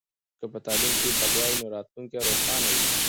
که په تعلیم کې بریا وي نو راتلونکی روښانه وي.